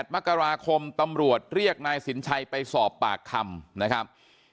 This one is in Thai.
๘มกราคมตำรวจเรียกนายสินชัยไปสอบปากคำนะครับ